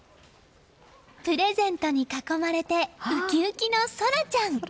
プレゼントに囲まれてウキウキの奏来ちゃん！